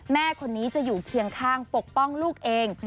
แม่คนนี้จะอยู่เคียงข้างปกป้องลูกเอง